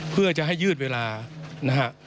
เพื่อจะให้ยืดเวลานะฮะ